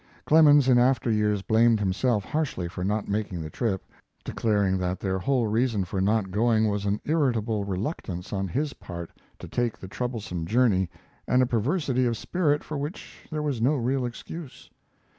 Clemens in after years blamed himself harshly for not making the trip, declaring that their whole reason for not going was an irritable reluctance on his part to take the troublesome journey and a perversity of spirit for which there was no real excuse.